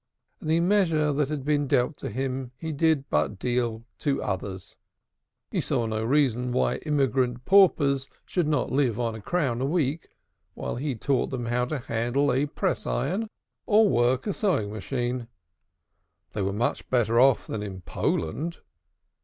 The measure that had been dealt to him he did but deal to others. He saw no reason why immigrant paupers should not live on a crown a week while he taught them how to handle a press iron or work a sewing machine. They were much better off than in Poland.